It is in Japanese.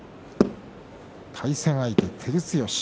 対戦相手は照強。